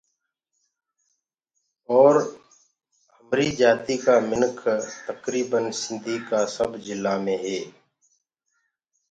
اور همريٚ جآتيٚ ڪآ مِنک تڪرٚڦن سنڌي ڪآ سب جِلآ مي هينٚ